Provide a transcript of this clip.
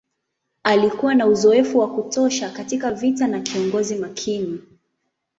Alikuwa na uzoefu wa kutosha katika vita na kiongozi makini.